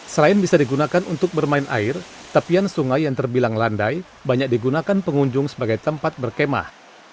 selain bisa digunakan untuk bermain air tepian sungai yang terbilang landai banyak digunakan pengunjung sebagai tempat berkemah